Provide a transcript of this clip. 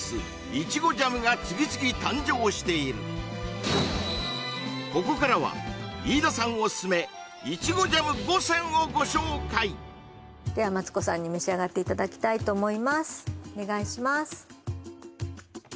イチゴジャムが次々誕生しているここからは飯田さんオススメイチゴジャム５選をご紹介ではマツコさんに召し上がっていただきたいと思いますお願いします